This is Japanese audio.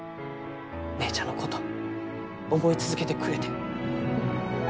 姉ちゃんのこと思い続けてくれて。